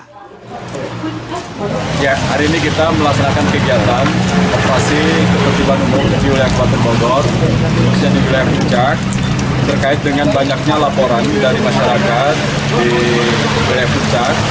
ketertiban umum di ketertiban bogor di ketertiban puncak berkait dengan banyaknya laporan dari masyarakat di ketertiban puncak